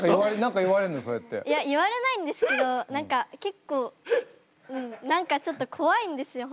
いや言われないんですけど何か結構何かちょっと怖いんですよ